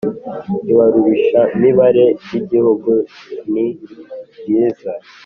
ibarurishamibare ry Igihugu niryiza